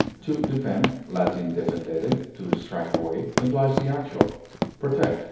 To defend (L. defendere, to strike away) implies the actual, protect (L.